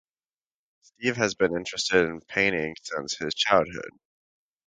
Steve has been interested in painting since his childhood.